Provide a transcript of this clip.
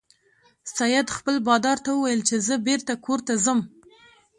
سید خپل بادار ته وویل چې زه بیرته کور ته ځم.